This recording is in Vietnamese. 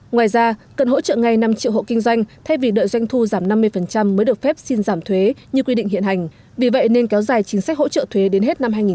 ngoài ra cần hỗ trợ ngay năm triệu hộ kinh doanh thay vì đợi doanh thu giảm năm mươi mới được phép xin giảm thuế như quy định hiện hành